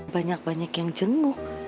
banyak banyak yang jenguk